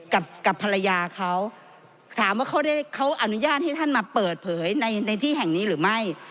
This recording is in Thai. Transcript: กับกับภรรยาเขาถามว่าเขาได้เขาอนุญาตให้ท่านมาเปิดเผยในในที่แห่งนี้หรือไม่